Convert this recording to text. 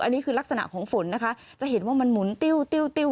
อันนี้คือลักษณะของฝนนะคะจะเห็นว่ามันหมุนติ้วติ้วติ้ว